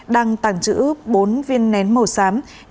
đang tàng trữ bốn viên nén màu xanh